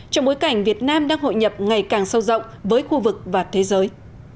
trong bối cảnh việt nam đang hội nhập ngày càng sâu rộng với khu vực và thế giới